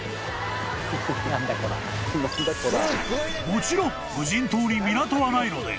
［もちろん無人島に港はないので］